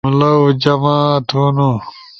جملؤ جمع تھونو